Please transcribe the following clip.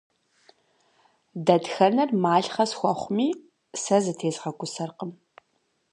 Дэтхэнэр малъхъэ схуэхъуми, сэ зытезгъэгусэркъым.